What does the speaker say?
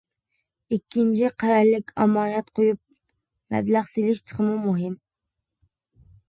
ئىككىنچى، قەرەللىك ئامانەت قويۇپ مەبلەغ سېلىش تېخىمۇ مۇھىم.